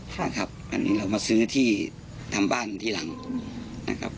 ครับอันนี้เรามาซื้อที่ทำบ้านทีหลังนะครับ